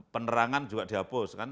penerangan juga dihapuskan